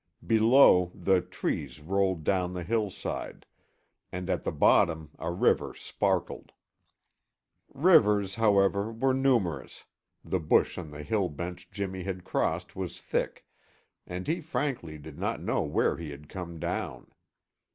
Below, the trees rolled down the hillside, and at the bottom a river sparkled. Rivers, however, were numerous, the bush on the hill bench Jimmy had crossed was thick, and he frankly did not know where he had come down.